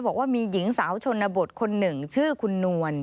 บอกว่ามีหญิงสาวชนบทคนหนึ่งชื่อคุณนวล